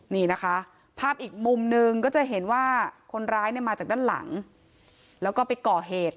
นี่นะคะภาพอีกมุมนึงก็จะเห็นว่าคนร้ายเนี่ยมาจากด้านหลังแล้วก็ไปก่อเหตุ